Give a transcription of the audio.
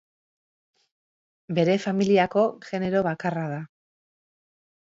Bere familiako genero bakarra da.